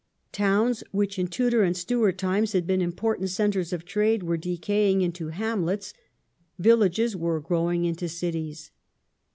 Towns which in Tudor and Stuart times had been important centres of trade were decaying into hamlets ; villages were growing into cities.